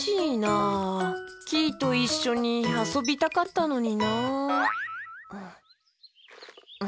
キイといっしょにあそびたかったのになあ。